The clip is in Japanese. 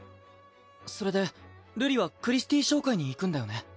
それで瑠璃はクリスティー商会に行くんだよね？